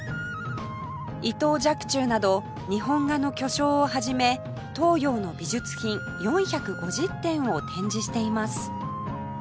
伊藤若冲など日本画の巨匠をはじめ東洋の美術品４５０点を展示しています